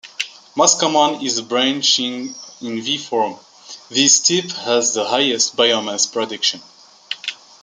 Most common is the branching in V-form, this type has the highest biomass production.